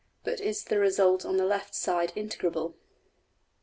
But is the result on the left side integrable?